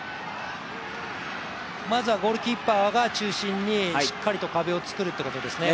まずはゴールキーパーが中心にしっかりと壁を作るってことですね。